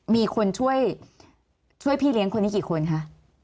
มีคนช่วยพี่เลี้ยงคนนี้กี่คนคะ